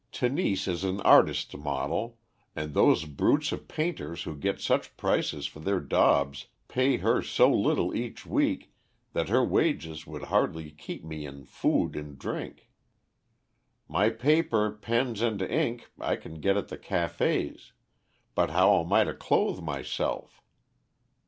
Tenise is an artist's model, and those brutes of painters who get such prices for their daubs, pay her so little each week that her wages would hardly keep me in food and drink. My paper, pens, and ink I can get at the cafés, but how am I to clothe myself?